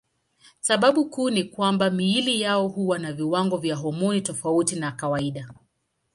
Sababu kuu ni kwamba miili yao huwa na viwango vya homoni tofauti na kawaida.